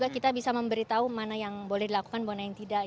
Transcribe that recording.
kita bisa memberitahu mana yang boleh dilakukan mana yang tidak